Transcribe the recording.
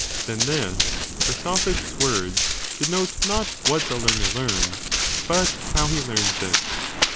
Then his (the sophist s) words denote not what the learner learns but how he learns it.